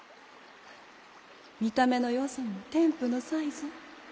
見た目のよさも天賦の才ぞ。